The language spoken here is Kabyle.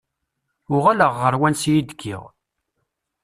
Uɣaleɣ ɣer wansi i d-kkiɣ.